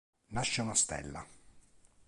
Nasce una stella.